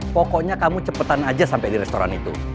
pokoknya kamu cepetan aja sampai di restoran itu